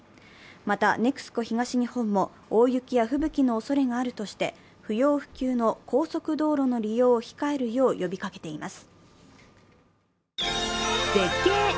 またＮＥＸＣＯ東日本も大雪や吹雪のおそれがあるとして不要不急の高速道路の利用を控えるよう呼びかけています。